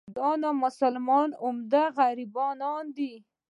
دا نامسلمانان عمدتاً غربیان دي.